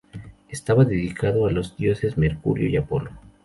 Estaba dedicado a los dioses Mercurio y Apolo.